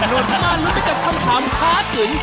มาลุดด้วยกับคำถามพาร์ทอื่น